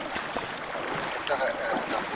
پوهنتونونه بې استادانو نه وي.